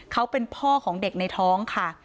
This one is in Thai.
เขาเป็นพ่อของเด็กในท้องค่ะ